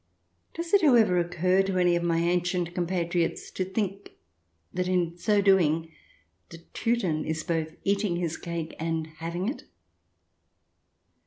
Does it, how ever, occur to any of my ancient compatriots to think that in so doing the Teuton is both eating his cake and having it